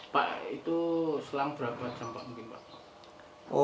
pak itu selang berapa jam pak mungkin pak